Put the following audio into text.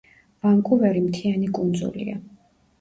ვანკუვერი მთიანი კუნძულია.